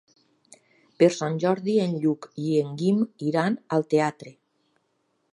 Per Sant Jordi en Lluc i en Guim iran al teatre.